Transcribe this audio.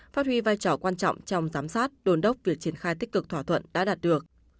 phát huy vai trò quan trọng trong giám sát đồn đốc việc triển khai tích cực thỏa thuận đã đạt được